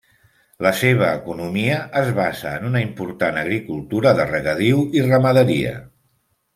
La seva economia es basa en una important agricultura de regadiu i ramaderia.